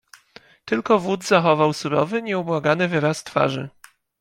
"Tylko wódz zachował surowy, nieubłagany wyraz twarzy."